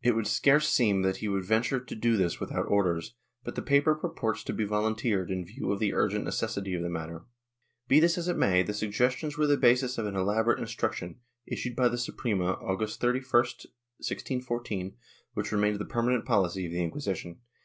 It would scarce seem that he would venture to do this without orders, but the paper purports to be volunteered in view of the urgent necessity of the matter. Be this as it may, the suggestions were the basis of an elaborate instruction, issued by the Suprema August 31, 1614, which remained the permanent policy of the Inquisition.